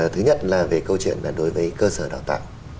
thứ nhất là về câu chuyện là đối với cơ sở đào tạo